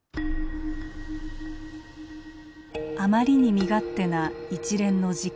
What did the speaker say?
あまりに身勝手な一連の事件。